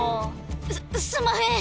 すすんまへん